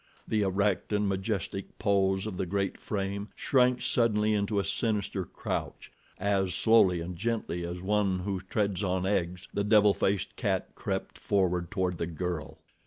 The erect and majestic pose of the great frame shrank suddenly into a sinister crouch as, slowly and gently as one who treads on eggs, the devil faced cat crept forward toward the girl.